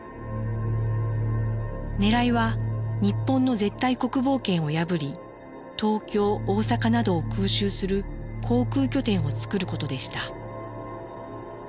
ねらいは日本の絶対国防圏を破り東京大阪などを空襲する航空拠点をつくることでした。